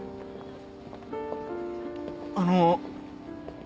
あの。